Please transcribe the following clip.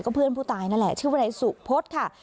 เพื่อนผู้ตายนั่นแหละชื่อวนายสุพฤษค่ะ